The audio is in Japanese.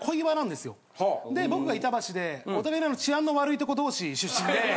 で僕が板橋でお互いに治安の悪いとこどうし出身で。